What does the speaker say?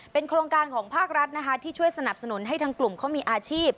โครงการของภาครัฐนะคะที่ช่วยสนับสนุนให้ทางกลุ่มเขามีอาชีพ